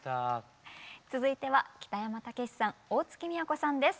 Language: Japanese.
続いては北山たけしさん大月みやこさんです。